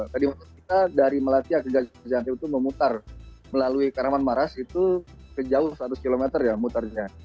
tadi maksud kita dari melatih ke gaza itu memutar melalui karaman maras itu sejauh seratus km ya mutarnya